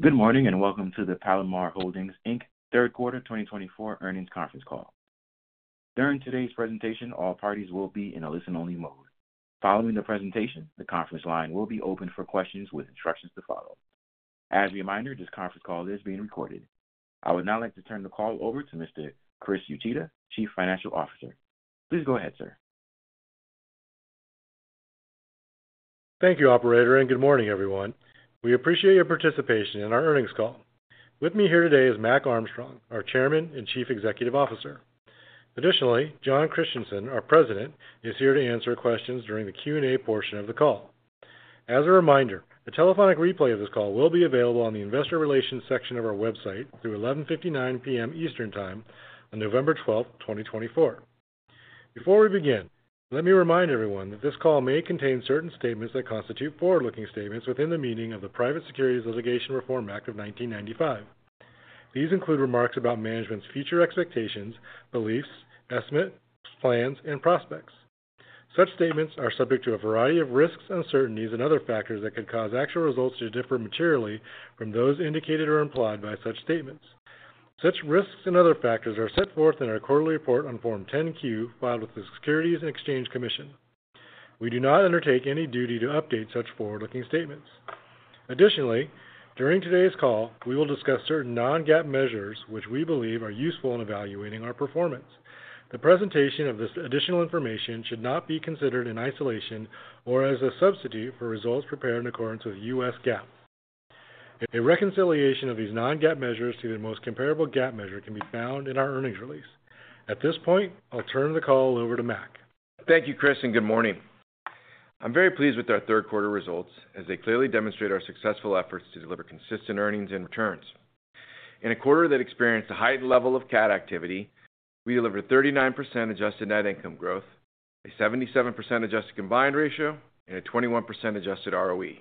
Good morning and welcome to the Palomar Holdings, Inc. Q3 2024 earnings conference call. During today's presentation, all parties will be in a listen-only mode. Following the presentation, the conference line will be open for questions with instructions to follow. As a reminder, this conference call is being recorded. I would now like to turn the call over to Mr. Chris Uchida, Chief Financial Officer. Please go ahead, sir. Thank you, Operator, and good morning, everyone. We appreciate your participation in our earnings call. With me here today is Mac Armstrong, our Chairman and Chief Executive Officer. Additionally, Jon Christianson, our President, is here to answer questions during the Q&A portion of the call. As a reminder, a telephonic replay of this call will be available on the Investor Relations section of our website through 11:59 PM. Eastern Time on November 12, 2024. Before we begin, let me remind everyone that this call may contain certain statements that constitute forward-looking statements within the meaning of the Private Securities Litigation Reform Act of 1995. These include remarks about management's future expectations, beliefs, estimates, plans, and prospects. Such statements are subject to a variety of risks, uncertainties, and other factors that could cause actual results to differ materially from those indicated or implied by such statements. Such risks and other factors are set forth in our quarterly report on Form 10-Q filed with the Securities and Exchange Commission. We do not undertake any duty to update such forward-looking statements. Additionally, during today's call, we will discuss certain non-GAAP measures which we believe are useful in evaluating our performance. The presentation of this additional information should not be considered in isolation or as a substitute for results prepared in accordance with U.S. GAAP. A reconciliation of these non-GAAP measures to the most comparable GAAP measure can be found in our earnings release. At this point, I'll turn the call over to Mac. Thank you, Chris, and good morning. I'm very pleased with our Q3 results as they clearly demonstrate our successful efforts to deliver consistent earnings and returns. In a quarter that experienced a heightened level of CAT activity, we delivered 39% adjusted net income growth, a 77% adjusted combined ratio, and a 21% adjusted ROE.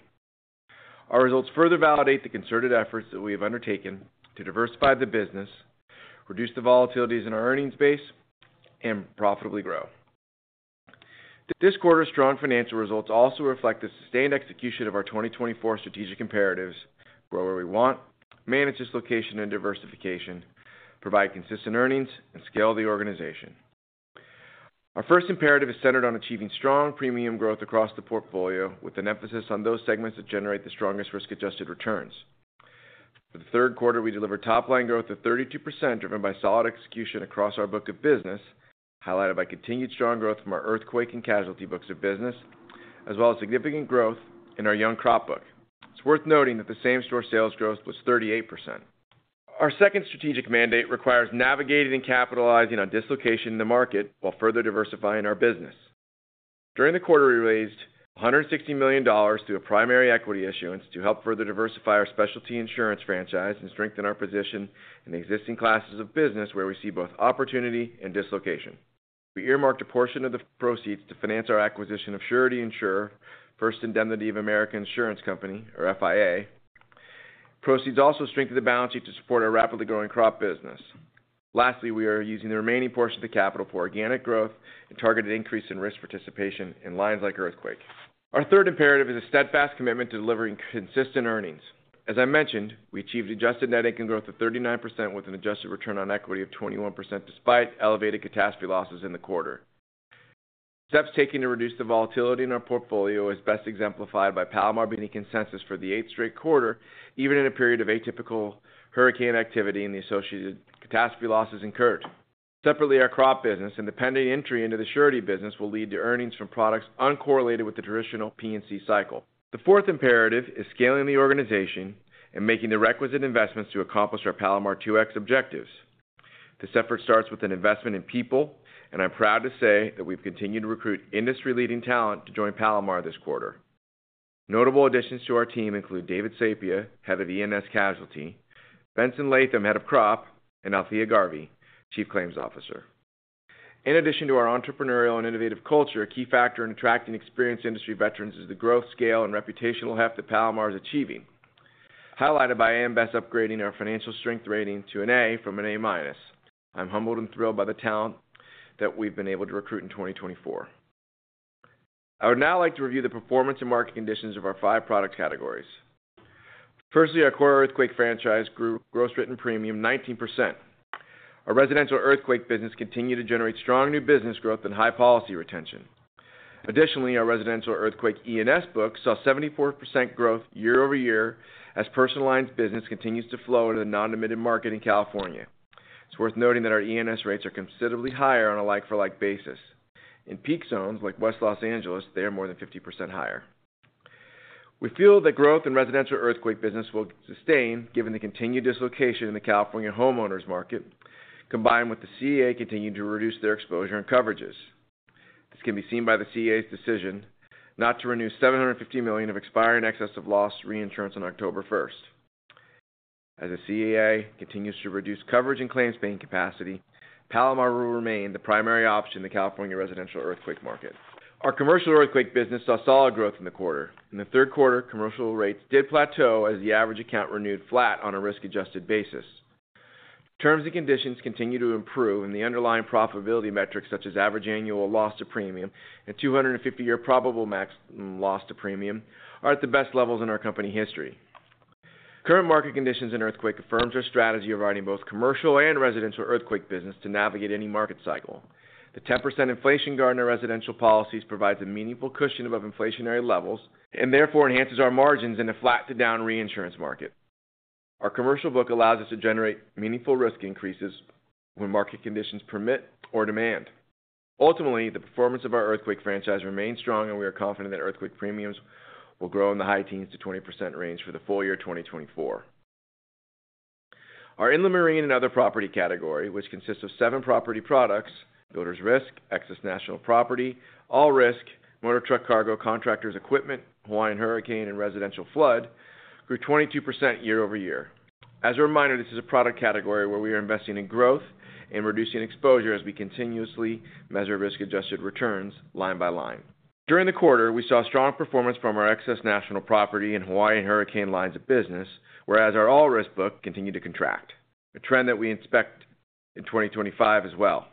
Our results further validate the concerted efforts that we have undertaken to diversify the business, reduce the volatilities in our earnings base, and profitably grow. This quarter's strong financial results also reflect the sustained execution of our 2024 strategic imperatives: grow where we want, manage dislocation and diversification, provide consistent earnings, and scale the organization. Our first imperative is centered on achieving strong premium growth across the portfolio, with an emphasis on those segments that generate the strongest risk-adjusted returns. For Q3, we delivered top-line growth of 32% driven by solid execution across our book of business, highlighted by continued strong growth from our earthquake and casualty books of business, as well as significant growth in our young crop book. It's worth noting that the same-store sales growth was 38%. Our second strategic mandate requires navigating and capitalizing on dislocation in the market while further diversifying our business. During the quarter, we raised $160 million through a primary equity issuance to help further diversify our specialty insurance franchise and strengthen our position in the existing classes of business where we see both opportunity and dislocation. We earmarked a portion of the proceeds to finance our acquisition of surety insurer First Indemnity of America Insurance Company, or FIA. Proceeds also strengthened the balance sheet to support our rapidly growing crop business. Lastly, we are using the remaining portion of the capital for organic growth and targeted increase in risk participation in lines like earthquake. Our third imperative is a steadfast commitment to delivering consistent earnings. As I mentioned, we achieved adjusted net income growth of 39% with an adjusted return on equity of 21% despite elevated catastrophe losses in the quarter. Steps taken to reduce the volatility in our portfolio are best exemplified by Palomar being a consensus for the eighth straight quarter, even in a period of atypical hurricane activity and the associated catastrophe losses incurred. Separately, our crop business and impending entry into the surety business will lead to earnings from products uncorrelated with the traditional P&C cycle. The fourth imperative is scaling the organization and making the requisite investments to accomplish our Palomar 2X objectives. This effort starts with an investment in people, and I'm proud to say that we've continued to recruit industry-leading talent to join Palomar this quarter. Notable additions to our team include David Sapia, Head of E&S Casualty, Benson Latham, Head of Crop, and Althea Garvey, Chief Claims Officer. In addition to our entrepreneurial and innovative culture, a key factor in attracting experienced industry veterans is the growth, scale, and reputational heft that Palomar is achieving, highlighted by AM Best upgrading our financial strength rating to an A from an A-. I'm humbled and thrilled by the talent that we've been able to recruit in 2024. I would now like to review the performance and market conditions of our five product categories. Firstly, our earthquake franchise grew gross written premium 19%. Our residential earthquake business continued to generate strong new business growth and high policy retention. Additionally, our residential earthquake E&S book saw 74% growth year-over-year as personal lines business continues to flow into the non-admitted market in California. It's worth noting that our E&S rates are considerably higher on a like-for-like basis. In peak zones like West Los Angeles, they are more than 50% higher. We feel that growth in residential earthquake business will sustain given the continued dislocation in the California homeowners market, combined with the CEA continuing to reduce their exposure and coverages. This can be seen by the CEA's decision not to renew $750 million of expiring excess of loss reinsurance on October 1st. As the CEA continues to reduce coverage and claims paying capacity, Palomar will remain the primary option in the California residential earthquake market. Our commercial earthquake business saw solid growth in the quarter. In the Q3, commercial rates did plateau as the average account renewed flat on a risk-adjusted basis. Terms and conditions continue to improve, and the underlying profitability metrics, such as average annual loss to premium and 250-year probable max loss to premium, are at the best levels in our company history. Current market conditions and earthquake affirms our strategy of providing both commercial and residential earthquake business to navigate any market cycle. The 10% inflation guard in our residential policies provides a meaningful cushion above inflationary levels and therefore enhances our margins in a flat-to-down reinsurance market. Our commercial book allows us to generate meaningful risk increases when market conditions permit or demand. Ultimately, the performance of our earthquake franchise remains strong, and we are confident that earthquake premiums will grow in the high teens to 20% range for the full year 2024. Our Inland Marine and Other Property category, which consists of seven property products: Builders Risk, Excess National Property, All Risk, Motor Truck Cargo, Contractors Equipment, Hawaiian Hurricane, and Residential Flood, grew 22% year-over-year. As a reminder, this is a product category where we are investing in growth and reducing exposure as we continuously measure risk-adjusted returns line by line. During the quarter, we saw strong performance from our Excess National Property and Hawaiian Hurricane lines of business, whereas our All Risk book continued to contract, a trend that we expect in 2025 as well.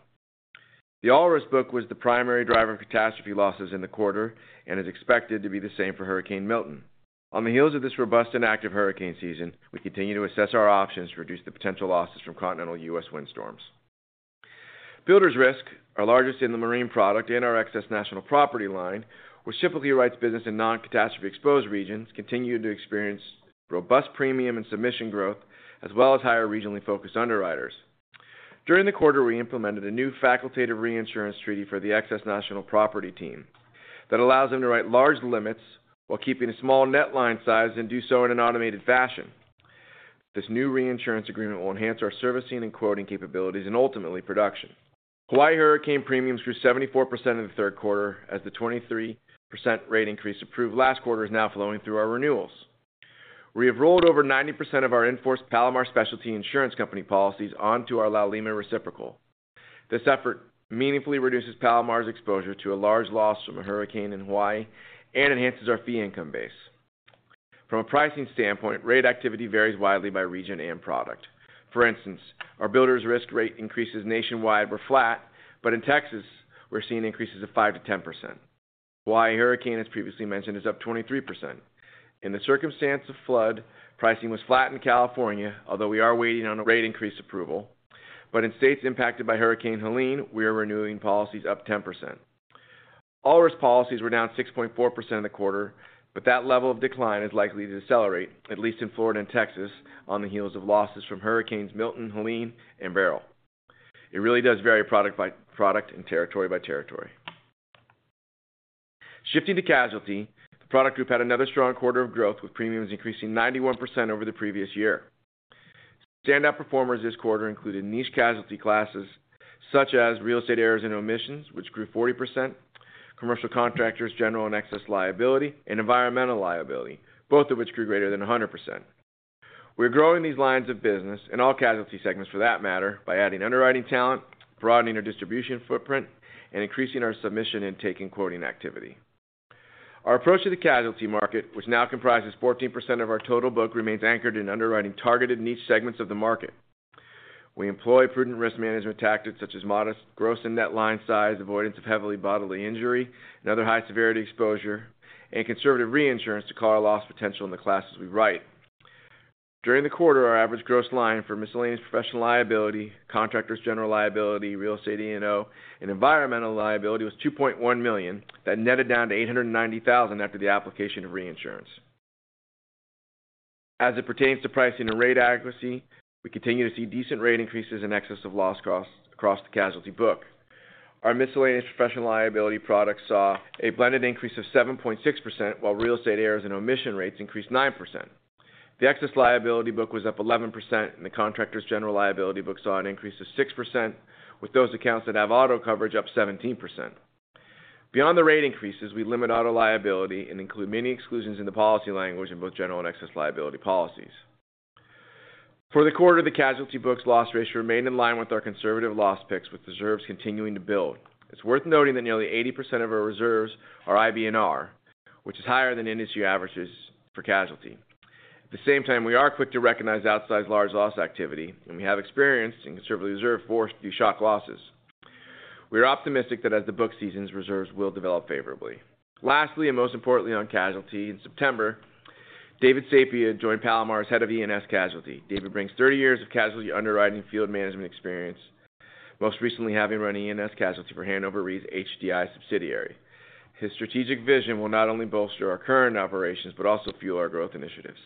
The All Risk book was the primary driver of catastrophe losses in the quarter and is expected to be the same for Hurricane Milton. On the heels of this robust and active hurricane season, we continue to assess our options to reduce the potential losses from continental U.S. windstorms. Builders Risk, our largest Inland Marine product and our Excess National Property line, which typically writes business in non-catastrophe-exposed regions, continued to experience robust premium and submission growth, as well as higher regionally focused underwriters. During the quarter, we implemented a new facultative reinsurance treaty for the Excess National Property team that allows them to write large limits while keeping a small net line size and do so in an automated fashion. This new reinsurance agreement will enhance our servicing and quoting capabilities and ultimately production. Hawaii Hurricane premiums grew 74% in the Q3 as the 23% rate increase approved last quarter is now flowing through our renewals. We have rolled over 90% of our in force Palomar Specialty Insurance Company policies onto our Palomar Reciprocal. This effort meaningfully reduces Palomar's exposure to a large loss from a hurricane in Hawaii and enhances our fee income base. From a pricing standpoint, rate activity varies widely by region and product. For instance, our Builders Risk rate increases nationwide were flat, but in Texas, we're seeing increases of 5%-10%. Hawaiian Hurricane, as previously mentioned, is up 23%. In the circumstance of flood, pricing was flat in California, although we are waiting on a rate increase approval, but in states impacted by Hurricane Helene, we are renewing policies up 10%. All Risk policies were down 6.4% in the quarter, but that level of decline is likely to decelerate, at least in Florida and Texas, on the heels of losses from Hurricanes Milton, Helene, and Beryl. It really does vary product by product and territory by territory. Shifting to casualty, the product group had another strong quarter of growth, with premiums increasing 91% over the previous year. Standout performers this quarter included niche casualty classes such as Real Estate Errors and Omissions, which grew 40%, Commercial Contractors, General and Excess Liability, and Environmental Liability, both of which grew greater than 100%. We're growing these lines of business in all casualty segments, for that matter, by adding underwriting talent, broadening our distribution footprint, and increasing our submission intake and quoting activity. Our approach to the casualty market, which now comprises 14% of our total book, remains anchored in underwriting targeted niche segments of the market. We employ prudent risk management tactics such as modest gross and net line size, avoidance of heavily bodily injury and other high-severity exposure, and conservative reinsurance to call our loss potential in the classes we write. During the quarter, our average gross line for Miscellaneous Professional Liability, Contractors General Liability, Real Estate E&O, and Environmental Liability was $2.1 million, that netted down to $890,000 after the application of reinsurance. As it pertains to pricing and rate accuracy, we continue to see decent rate increases and excess of loss costs across the casualty book. Our Miscellaneous Professional Liability product saw a blended increase of 7.6%, while Real Estate Errors and Omissions rates increased 9%. The Excess Liability book was up 11%, and the Contractors General Liability book saw an increase of 6%, with those accounts that have auto coverage up 17%. Beyond the rate increases, we limit auto liability and include many exclusions in the policy language in both general and excess liability policies. For the quarter, the casualty book's loss ratio remained in line with our conservative loss picks, with reserves continuing to build. It's worth noting that nearly 80% of our reserves are IBNR, which is higher than industry averages for casualty. At the same time, we are quick to recognize outsized large loss activity, and we have experienced and conservatively reserved force-to-shock losses. We are optimistic that as the book seasons, reserves will develop favorably. Lastly, and most importantly on casualty, in September, David Sapia joined Palomar as Head of E&S Casualty. David brings 30 years of casualty underwriting and field management experience, most recently having run E&S Casualty for Hannover Re's HDI subsidiary. His strategic vision will not only bolster our current operations but also fuel our growth initiatives.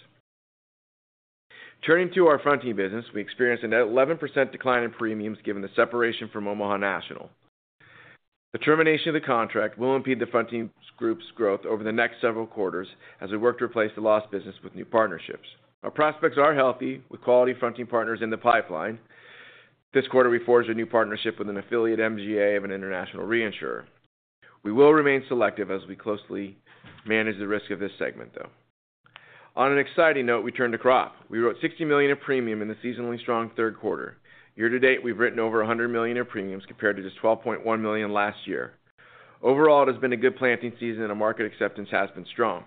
Turning to our fronting business, we experienced an 11% decline in premiums given the separation from Omaha National. The termination of the contract will impede the fronting group's growth over the next several quarters as we work to replace the lost business with new partnerships. Our prospects are healthy, with quality fronting partners in the pipeline. This quarter, we forged a new partnership with an affiliate MGA of an international reinsurer. We will remain selective as we closely manage the risk of this segment, though. On an exciting note, we turned to crop. We wrote $60 million in premium in the seasonally strong Q3. Year to date, we've written over $100 million in premiums compared to just $12.1 million last year. Overall, it has been a good planting season, and market acceptance has been strong.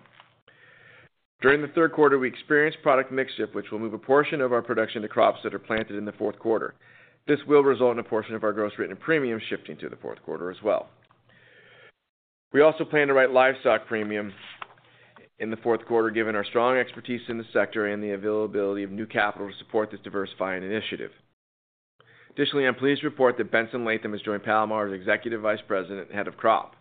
During the Q3, we experienced product mix shift, which will move a portion of our production to crops that are planted in the Q4. This will result in a portion of our gross written premium shifting to the Q4 as well. We also plan to write livestock premium in the Q4 given our strong expertise in the sector and the availability of new capital to support this diversifying initiative. Additionally, I'm pleased to report that Benson Latham has joined Palomar as Executive Vice President and Head of Crop.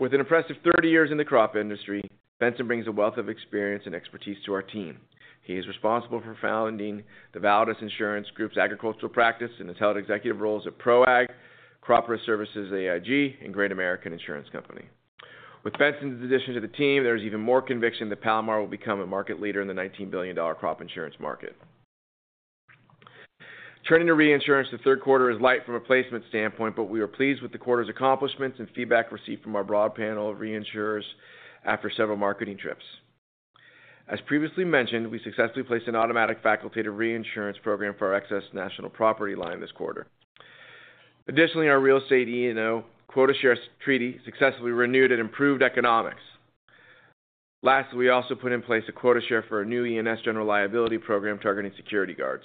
With an impressive 30 years in the crop industry, Benson brings a wealth of experience and expertise to our team. He is responsible for founding the Validus Insurance Group's agricultural practice and has held executive roles at ProAg, Crop Risk Services AIG, and Great American Insurance Company. With Benson's addition to the team, there is even more conviction that Palomar will become a market leader in the $19 billion crop insurance market. Turning to reinsurance, the Q3 is light from a placement standpoint, but we are pleased with the quarter's accomplishments and feedback received from our broad panel of reinsurers after several marketing trips. As previously mentioned, we successfully placed an automatic facultative reinsurance program for our Excess National Property line this quarter. Additionally, our Real Estate E&O quota share treaty successfully renewed and improved economics. Lastly, we also put in place a quota share for our new E&S General Liability program targeting security guards.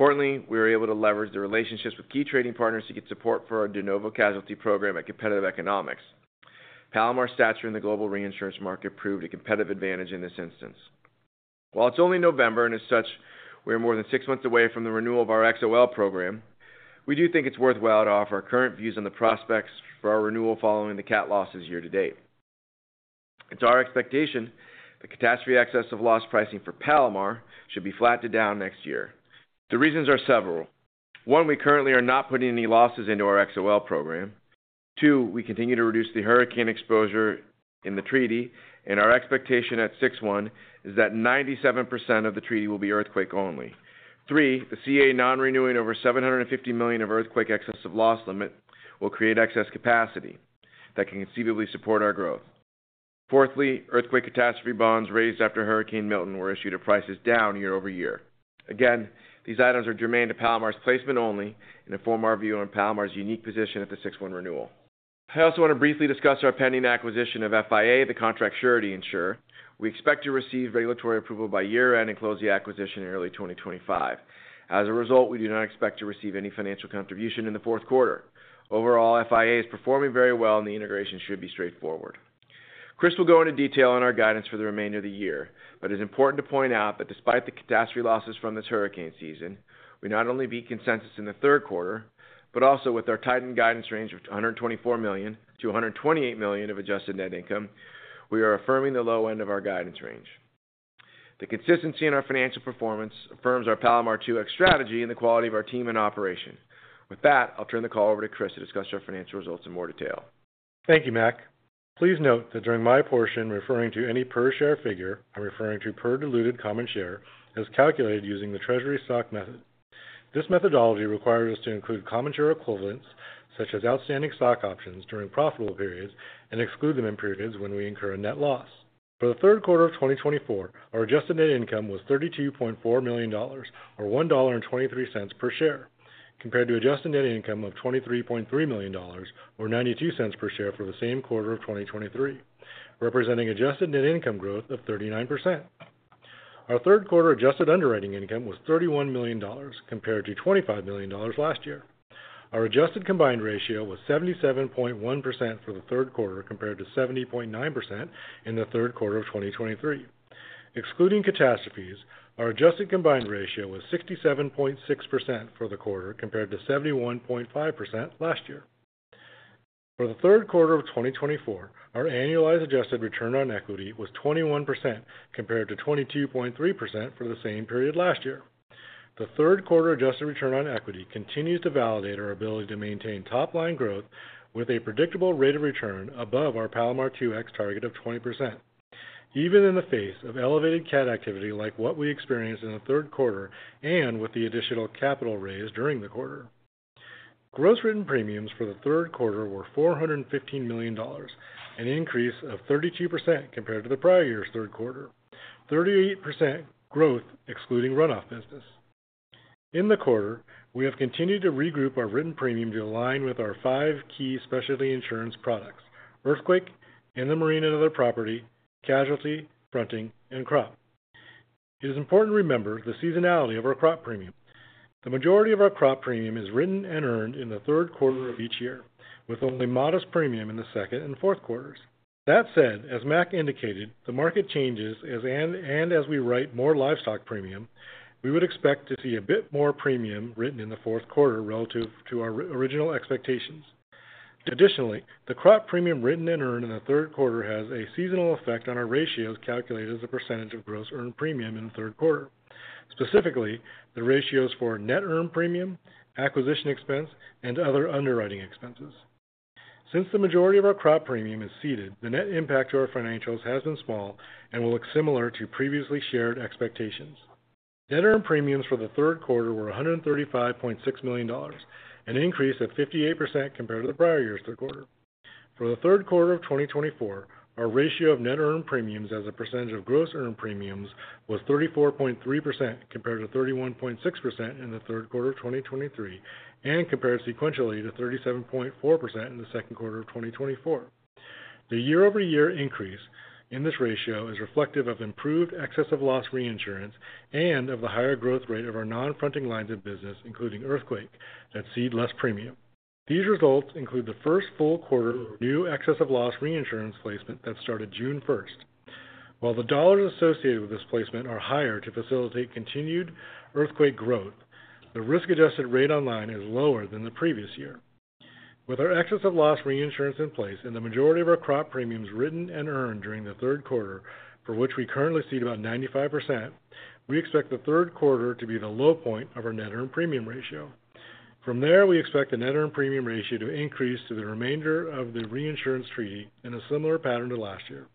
Importantly, we were able to leverage the relationships with key trading partners to get support for our De Novo Casualty program at competitive economics. Palomar's stature in the global reinsurance market proved a competitive advantage in this instance. While it's only November, and as such, we are more than six months away from the renewal of our XOL program, we do think it's worthwhile to offer our current views on the prospects for our renewal following the cat losses year to date. It's our expectation that catastrophe excess of loss pricing for Palomar should be flattened down next year. The reasons are several. One, we currently are not putting any losses into our XOL program. Two, we continue to reduce the hurricane exposure in the treaty, and our expectation at 6/1 is that 97% of the treaty will be earthquake only. Three, the CEA non-renewing over $750 million of earthquake excess of loss limit will create excess capacity that can conceivably support our growth. Fourthly, earthquake catastrophe bonds raised after Hurricane Milton were issued at prices down year-over-year. Again, these items are germane to Palomar's placement only and inform our view on Palomar's unique position at the 6/1 renewal. I also want to briefly discuss our pending acquisition of FIA, the Contract Surety Insurer. We expect to receive regulatory approval by year-end and close the acquisition in early 2025. As a result, we do not expect to receive any financial contribution in the Q4. Overall, FIA is performing very well, and the integration should be straightforward. Chris will go into detail on our guidance for the remainder of the year, but it is important to point out that despite the catastrophe losses from this hurricane season, we not only beat consensus in the Q3, but also with our tightened guidance range of $124-$128 million of adjusted net income, we are affirming the low end of our guidance range. The consistency in our financial performance affirms our Palomar 2X strategy and the quality of our team and operation. With that, I'll turn the call over to Chris to discuss our financial results in more detail. Thank you, Mac. Please note that during my portion referring to any per share figure, I'm referring to per diluted common share as calculated using the Treasury stock method. This methodology requires us to include common share equivalents such as outstanding stock options during profitable periods and exclude them in periods when we incur a net loss. For the Q3 of 2024, our adjusted net income was $32.4 million, or $1.23 per share, compared to adjusted net income of $23.3 million, or $0.92 per share for the same quarter of 2023, representing adjusted net income growth of 39%. Our Q3 adjusted underwriting income was $31 million, compared to $25 million last year. Our adjusted combined ratio was 77.1% for the Q3, compared to 70.9% in the Q3 of 2023. Excluding catastrophes, our adjusted combined ratio was 67.6% for the Q3, compared to 71.5% last year. For the Q3 of 2024, our annualized adjusted return on equity was 21%, compared to 22.3% for the same period last year. The Q3 adjusted return on equity continues to validate our ability to maintain top-line growth with a predictable rate of return above our Palomar 2X target of 20%, even in the face of elevated cat activity like what we experienced in the Q3 and with the additional capital raised during the quarter. Gross written premiums for the Q3 were $415 million, an increase of 32% compared to the prior year's Q3, 38% growth excluding runoff business. In the quarter, we have continued to regroup our written premium to align with our five key specialty insurance products: earthquake, Inland Marine and Other Property, casualty, fronting, and crop. It is important to remember the seasonality of our crop premium. The majority of our crop premium is written and earned in the Q3 of each year, with only modest premium in the second and Q4s. That said, as Mac indicated, the market changes as and as we write more livestock premium, we would expect to see a bit more premium written in the Q4 relative to our original expectations. Additionally, the crop premium written and earned in the Q3 has a seasonal effect on our ratios calculated as a percentage of gross earned premium in the Q3. Specifically, the ratios for net earned premium, acquisition expense, and other underwriting expenses. Since the majority of our crop premium is ceded, the net impact to our financials has been small and will look similar to previously shared expectations. Net earned premiums for the Q3 were $135.6 million, an increase of 58% compared to the prior year's Q3. For the Q3 of 2024, our ratio of net earned premiums as a percentage of gross earned premiums was 34.3% compared to 31.6% in the Q3 of 2023 and compared sequentially to 37.4% in the Q2 of 2024. The year-over-year increase in this ratio is reflective of improved excess of loss reinsurance and of the higher growth rate of our non-fronting lines of business, including earthquake, that cede less premium. These results include the first full quarter new excess of loss reinsurance placement that started June 1. While the dollars associated with this placement are higher to facilitate continued earthquake growth, the risk-adjusted rate on line is lower than the previous year. With our excess of loss reinsurance in place and the majority of our crop premiums written and earned during the Q3, for which we currently cede about 95%, we expect the Q3 to be the low point of our net earned premium ratio. From there, we expect the net earned premium ratio to increase to the remainder of the reinsurance treaty in a similar pattern to last year.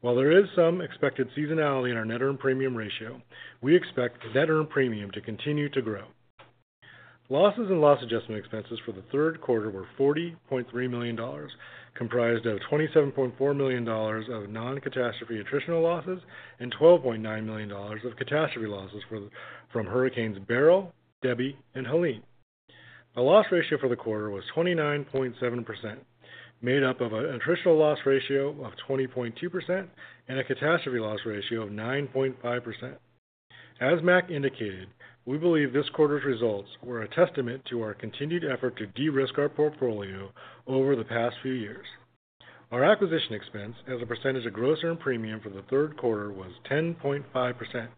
While there is some expected seasonality in our net earned premium ratio, we expect the net earned premium to continue to grow. Losses and loss adjustment expenses for the Q3 were $40.3 million, comprised of $27.4 million of non-catastrophe attritional losses and $12.9 million of catastrophe losses from hurricanes Beryl, Debby, and Helene. The loss ratio for the quarter was 29.7%, made up of an attritional loss ratio of 20.2% and a catastrophe loss ratio of 9.5%. As Mac indicated, we believe this quarter's results were a testament to our continued effort to de-risk our portfolio over the past few years. Our acquisition expense as a percentage of gross earned premium for the Q3 was 10.5%,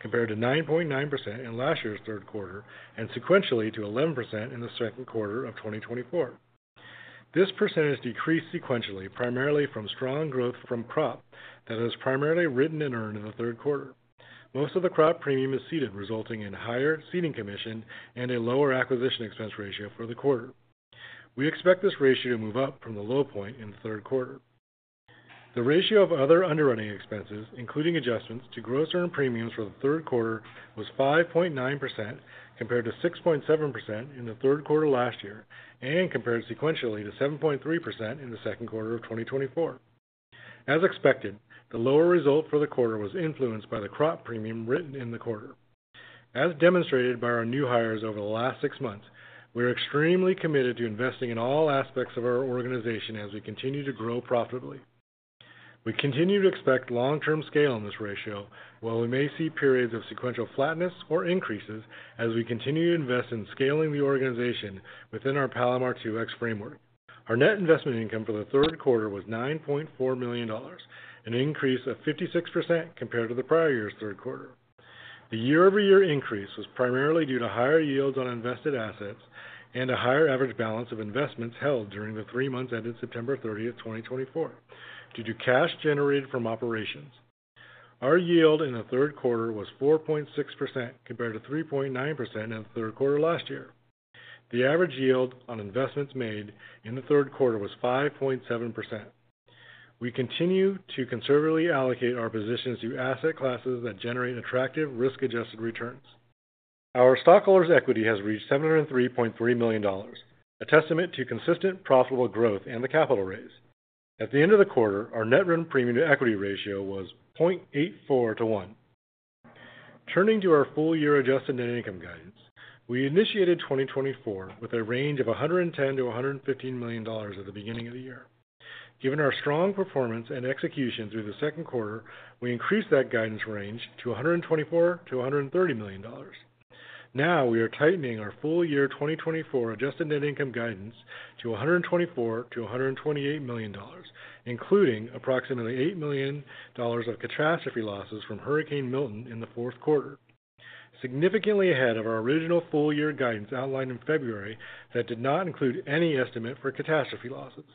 compared to 9.9% in last year's Q3, and sequentially to 11% in the Q2 of 2024. This percentage decreased sequentially, primarily from strong growth from crop that is primarily written and earned in the Q3. Most of the crop premium is ceded, resulting in higher ceding commission and a lower acquisition expense ratio for the quarter. We expect this ratio to move up from the low point in the Q3. The ratio of other underwriting expenses, including adjustments to gross earned premiums for the Q3, was 5.9%, compared to 6.7% in the Q3 last year and compared sequentially to 7.3% in the Q2 of 2024. As expected, the lower result for the quarter was influenced by the crop premium written in the quarter. As demonstrated by our new hires over the last six months, we are extremely committed to investing in all aspects of our organization as we continue to grow profitably. We continue to expect long-term scale in this ratio, while we may see periods of sequential flatness or increases as we continue to invest in scaling the organization within our Palomar 2X framework. Our net investment income for the Q3 was $9.4 million, an increase of 56% compared to the prior year's Q3. The year-over-year increase was primarily due to higher yields on invested assets and a higher average balance of investments held during the three months ended September 30, 2024, due to cash generated from operations. Our yield in the Q3 was 4.6% compared to 3.9% in the Q3 last year. The average yield on investments made in the Q3 was 5.7%. We continue to conservatively allocate our positions to asset classes that generate attractive risk-adjusted returns. Our stockholders' equity has reached $703.3 million, a testament to consistent profitable growth and the capital raise. At the end of the quarter, our net earned premium to equity ratio was 0.84 to 1. Turning to our full-year adjusted net income guidance, we initiated 2024 with a range of $110 million-$115 million at the beginning of the year. Given our strong performance and execution through the Q2, we increased that guidance range to $124 million-$130 million. Now, we are tightening our full-year 2024 adjusted net income guidance to $124 million-$128 million, including approximately $8 million of catastrophe losses from Hurricane Milton in the Q4, significantly ahead of our original full-year guidance outlined in February that did not include any estimate for catastrophe losses.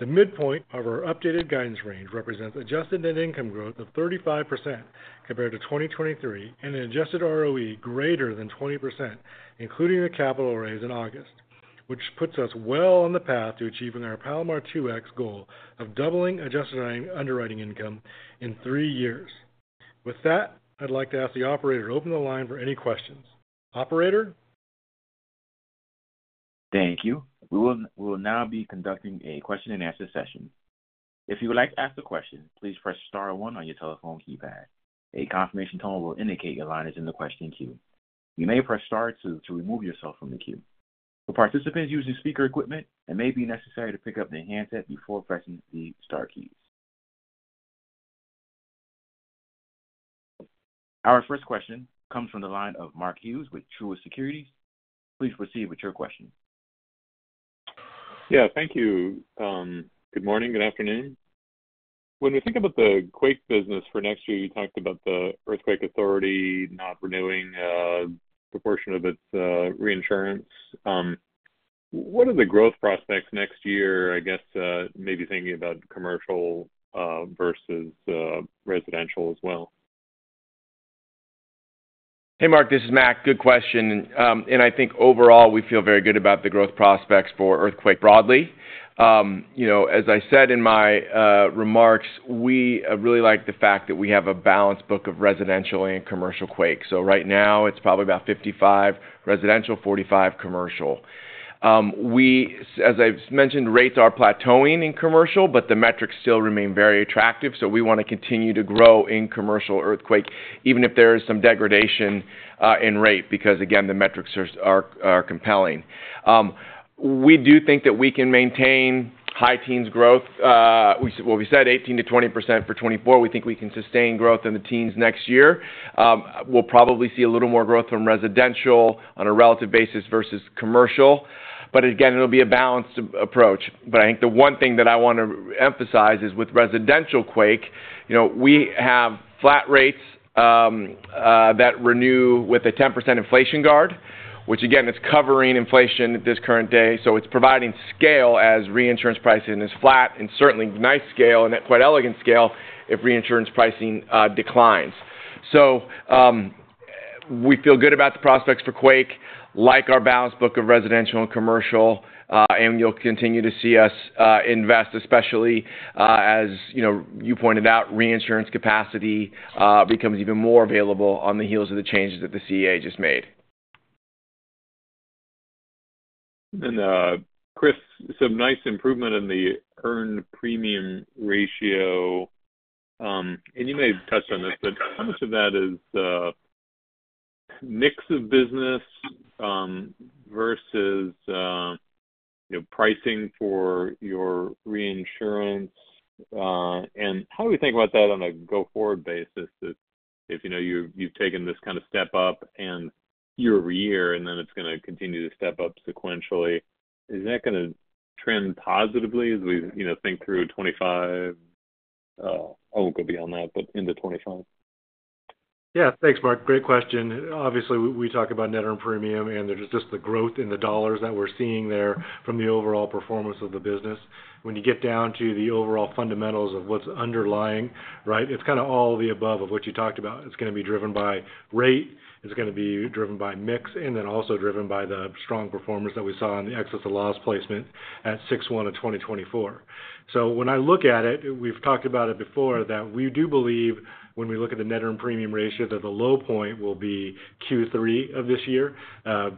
The midpoint of our updated guidance range represents adjusted net income growth of 35% compared to 2023 and an adjusted ROE greater than 20%, including the capital raised in August, which puts us well on the path to achieving our Palomar 2X goal of doubling adjusted underwriting income in three years. With that, I'd like to ask the operator to open the line for any questions. Operator? Thank you. We will now be conducting a question-and-answer session. If you would like to ask a question, please press Star one on your telephone keypad. A confirmation tone will indicate your line is in the question queue. You may press Star two to remove yourself from the queue. For participants using speaker equipment, it may be necessary to pick up the handset before pressing the Star keys. Our first question comes from the line of Mark Hughes with Truist Securities. Please proceed with your question. Yeah, thank you. Good morning, good afternoon. When we think about the quake business for next year, you talked about the Earthquake Authority not renewing a proportion of its reinsurance. What are the growth prospects next year, I guess, maybe thinking about commercial versus residential as well? Hey, Mark, this is Mac. Good question. And I think overall, we feel very good about the growth prospects for earthquake broadly. As I said in my remarks, we really like the fact that we have a balance book of residential and commercial quakes. So right now, it's probably about 55 residential, 45 commercial. As I've mentioned, rates are plateauing in commercial, but the metrics still remain very attractive. So we want to continue to grow in commercial earthquake, even if there is some degradation in rate, because, again, the metrics are compelling. We do think that we can maintain high teens growth. What we said, 18%-20% for 2024, we think we can sustain growth in the teens next year. We'll probably see a little more growth from residential on a relative basis versus commercial. But again, it'll be a balanced approach. But I think the one thing that I want to emphasize is with residential quake, we have flat rates that renew with a 10% inflation guard, which, again, is covering inflation at this current day. So it's providing scale as reinsurance pricing is flat and certainly nice scale and quite elegant scale if reinsurance pricing declines. So we feel good about the prospects for quake, like our balanced book of residential and commercial. And you'll continue to see us invest, especially as you pointed out, reinsurance capacity becomes even more available on the heels of the changes that the CEA just made. And Chris, some nice improvement in the earned premium ratio. And you may have touched on this, but how much of that is mix of business versus pricing for your reinsurance? And how do we think about that on a go-forward basis? If you've taken this kind of step up year-over-year, and then it's going to continue to step up sequentially, is that going to trend positively as we think through 2025? I won't go beyond that, but into 2025? Yeah, thanks, Mark. Great question. Obviously, we talk about net earned premium, and there's just the growth in the dollars that we're seeing there from the overall performance of the business. When you get down to the overall fundamentals of what's underlying, right, it's kind of all the above of what you talked about. It's going to be driven by rate. It's going to be driven by mix, and then also driven by the strong performance that we saw in the excess of loss placement at 06/01/2024. So when I look at it, we've talked about it before, that we do believe when we look at the net earned premium ratio, that the low point will be Q3 of this year.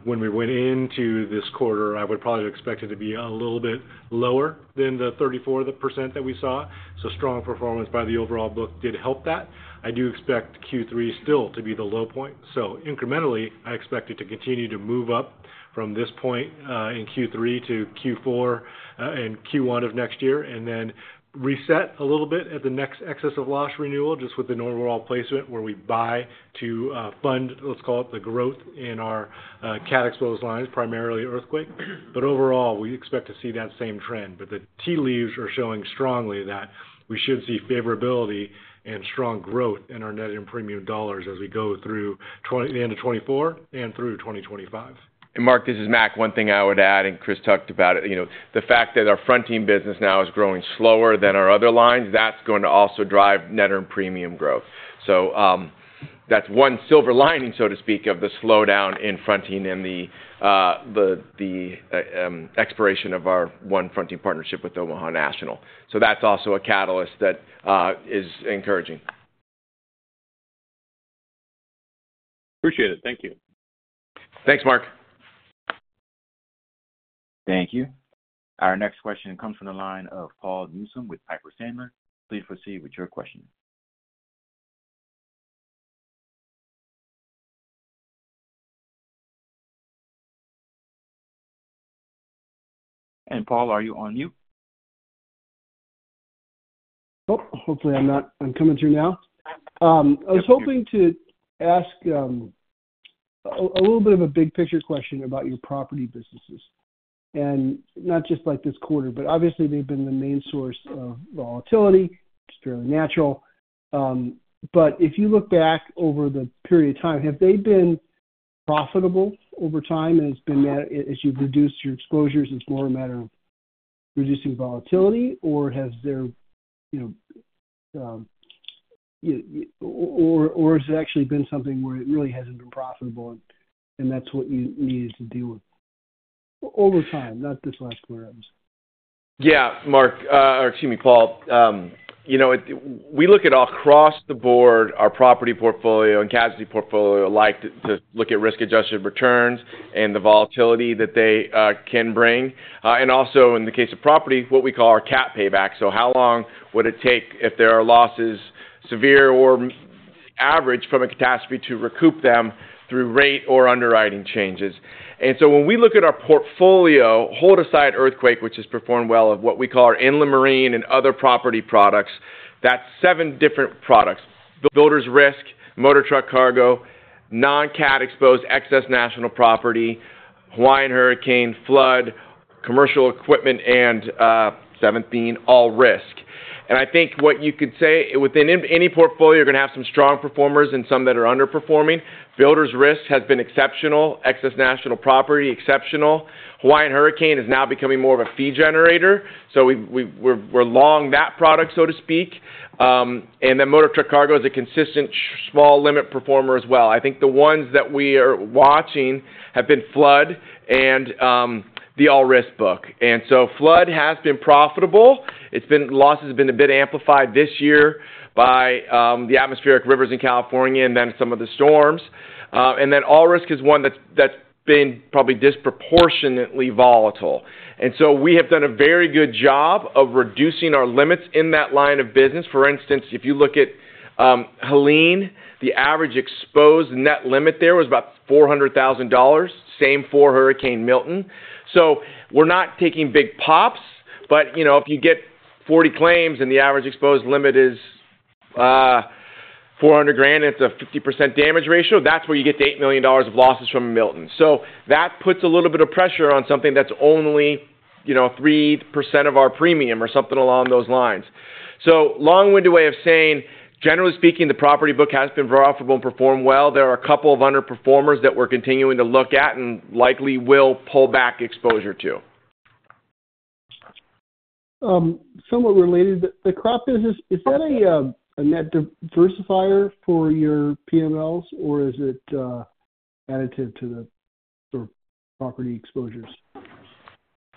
When we went into this quarter, I would probably have expected it to be a little bit lower than the 34% that we saw. So strong performance by the overall book did help that. I do expect Q3 still to be the low point. So incrementally, I expect it to continue to move up from this point in Q3 to Q4 and Q1 of next year, and then reset a little bit at the next excess of loss renewal, just with the normal placement where we buy to fund, let's call it the growth in our cat exposed lines, primarily earthquake. But overall, we expect to see that same trend. But the tea leaves are showing strongly that we should see favorability and strong growth in our net earned premium dollars as we go through the end of 2024 and through 2025. And Mark, this is Mac. One thing I would add, and Chris talked about it, the fact that our fronting business now is growing slower than our other lines, that's going to also drive net earned premium growth. So that's one silver lining, so to speak, of the slowdown in fronting and the expiration of our one fronting partnership with Omaha National. So that's also a catalyst that is encouraging. Appreciate it. Thank you. Thanks, Mark. Thank you. Our next question comes from the line of Paul Newsome with Piper Sandler. Please proceed with your question. And Paul, are you on mute? Hopefully, I'm not. I'm coming through now. I was hoping to ask a little bit of a big picture question about your property businesses. And not just like this quarter, but obviously, they've been the main source of volatility. It's fairly natural. But if you look back over the period of time, have they been profitable over time as you've reduced your exposures? It's more a matter of reducing volatility, or has it actually been something where it really hasn't been profitable, and that's what you needed to deal with over time, not this last quarter? Yeah, Mark, or excuse me, Paul. We look at, across the board, our property portfolio and casualty portfolio. Like to look at risk-adjusted returns and the volatility that they can bring. And also, in the case of property, what we call our cat payback. How long would it take if there are losses, severe or average, from a catastrophe to recoup them through rate or underwriting changes? When we look at our portfolio, holding aside earthquake, which has performed well, of what we call our inland marine and other property products, that's seven different products: builders' risk, motor truck cargo, non-cat exposed excess national property, Hawaiian hurricane, flood, commercial equipment, and the seventh being all risk. I think what you could say within any portfolio, you're going to have some strong performers and some that are underperforming. Builders' risk has been exceptional, excess national property exceptional. Hawaiian hurricane is now becoming more of a fee generator. We're long that product, so to speak. Motor truck cargo is a consistent small limit performer as well. I think the ones that we are watching have been flood and the All Risk book, and so flood has been profitable. Losses have been a bit amplified this year by the atmospheric rivers in California and then some of the storms, and then all-risk is one that's been probably disproportionately volatile. We have done a very good job of reducing our limits in that line of business. For instance, if you look at Helene, the average exposed net limit there was about $400,000, same for Hurricane Milton. We're not taking big pops, but if you get 40 claims and the average exposed limit is 400 grand and it's a 50% damage ratio, that's where you get to $8 million of losses from Milton. That puts a little bit of pressure on something that's only 3% of our premium or something along those lines. Long-winded way of saying, generally speaking, the property book has been profitable and performed well. There are a couple of underperformers that we're continuing to look at and likely will pull back exposure to. Somewhat related, the crop business, is that a net diversifier for your PMLs, or is it additive to the sort of property exposures?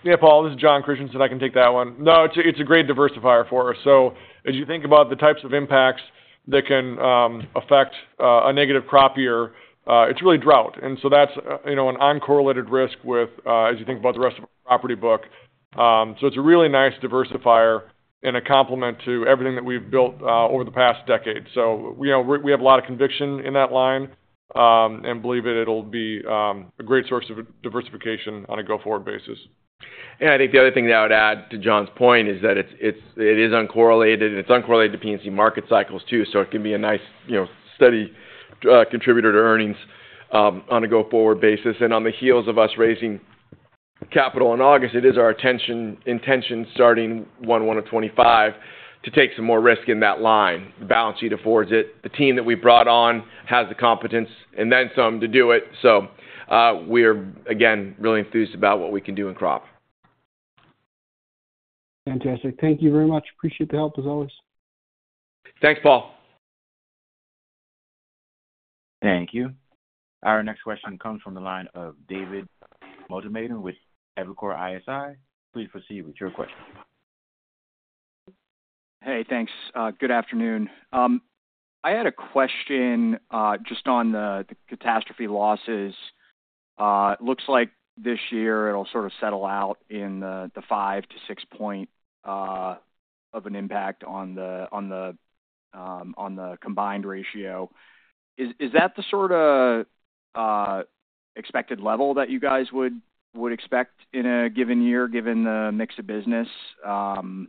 Yeah, Paul, this is Jon Christianson. I can take that one. No, it's a great diversifier for us. So as you think about the types of impacts that can affect a negative crop year, it's really drought. And so that's an uncorrelated risk with, as you think about the rest of our property book. So it's a really nice diversifier and a complement to everything that we've built over the past decade. So we have a lot of conviction in that line and believe that it'll be a great source of diversification on a go-forward basis. And I think the other thing that I would add to John's point is that it is uncorrelated. It's uncorrelated to P&C market cycles too. So it can be a nice steady contributor to earnings on a go-forward basis. And on the heels of us raising capital in August, it is our intention starting 1/1 of 2025 to take some more risk in that line. The balance sheet affords it. The team that we brought on has the competence and then some to do it. So we are, again, really enthused about what we can do in crop. Fantastic. Thank you very much. Appreciate the help, as always. Thanks, Paul. Thank you. Our next question comes from the line of David Motemaden with Evercore ISI. Please proceed with your question. Hey, thanks. Good afternoon. I had a question just on the catastrophe losses. Looks like this year it'll sort of settle out in the 5-6-point impact on the combined ratio. Is that the sort of expected level that you guys would expect in a given year, given the mix of business? Or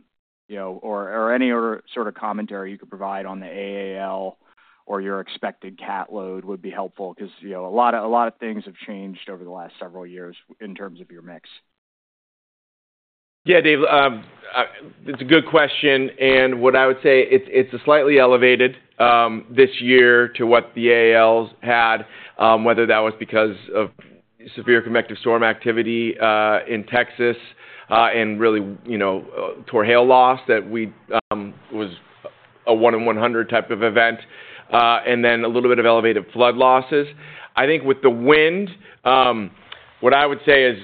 any sort of commentary you could provide on the AAL or your expected cat load would be helpful because a lot of things have changed over the last several years in terms of your mix. Yeah, Dave, it's a good question. And what I would say, it's slightly elevated this year to what the AALs had, whether that was because of severe convective storm activity in Texas and really large hail loss that was a one-in-100 type of event, and then a little bit of elevated flood losses. I think with the wind, what I would say is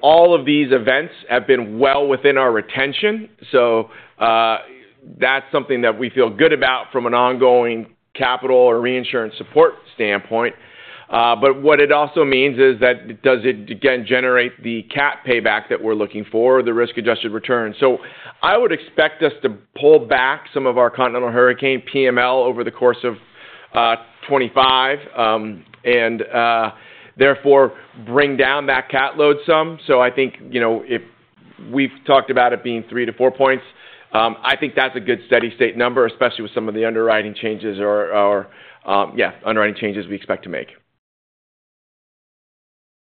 all of these events have been well within our retention. So that's something that we feel good about from an ongoing capital or reinsurance support standpoint. But what it also means is, does it, again, generate the cat payback that we're looking for, the risk-adjusted return? So I would expect us to pull back some of our continental hurricane PML over the course of 2025 and therefore bring down that cat load some. So I think we've talked about it being 3-4 points. I think that's a good steady state number, especially with some of the underwriting changes we expect to make.